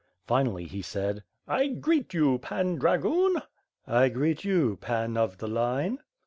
Finally he said : "I greet you. Pan Dragoon." "I greet you. Pan of the Line."